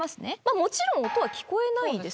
もちろん音は聞こえないんですよね。